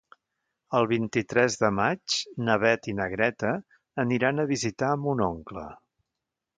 El vint-i-tres de maig na Beth i na Greta aniran a visitar mon oncle.